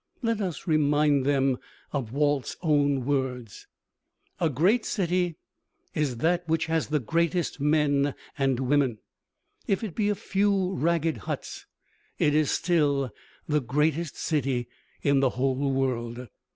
Let us remind them of Walt's own words: A great city is that which has the greatest men and women, If it be a few ragged huts it is still the greatest city in the whole world.